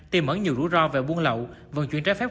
tìm ẩn nhiều rủi ro về buôn lậu vận chuyển trái phép